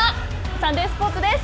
サンデースポーツです。